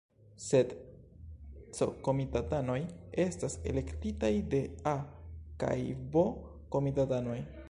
Sed C-komitatanoj estas elektitaj de A- kaj B-komitatanoj.